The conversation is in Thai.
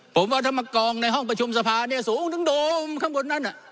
ผมว่าธรรมกองในห้องประชุมสะพานเนี้ยสูงดึงโดมข้างบนนั่นอ่ะ